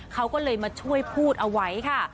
เขาก็เลยมาช่วยพูดเอาไว้ค่ะ